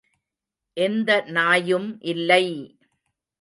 எந்த நாயும் இல்லை!